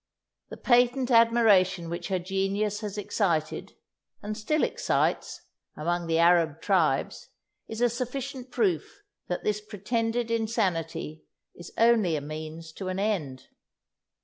The patent admiration which her genius has excited, and still excites, among the Arab tribes, is a sufficient proof that this pretended insanity is only a means to an end."